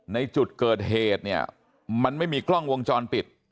ในจุดเกิดเหตุเนี่ยมันไม่มีกล้องวงจรปิด